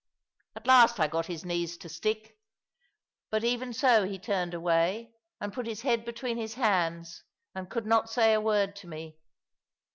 At last I got his knees to stick; but even so he turned away, and put his head between his hands, and could not say a word to me.